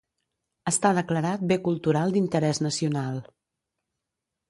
Està declarat bé cultural d'interès nacional.